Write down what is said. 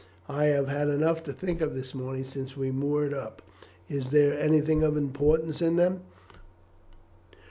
I have had enough to think of this morning since we moored up. Is there anything of importance in them?"